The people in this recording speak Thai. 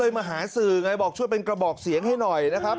มาหาสื่อไงบอกช่วยเป็นกระบอกเสียงให้หน่อยนะครับ